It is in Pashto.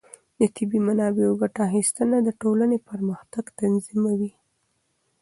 د طبیعي منابعو ګټه اخیستنه د ټولنې پرمختګ تضمینوي.